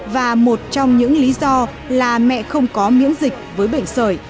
và một trong những lý do là mẹ không có miễn dịch với bệnh sởi